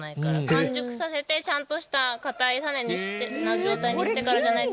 完熟させてちゃんとした硬い種の状態にしてからじゃないと。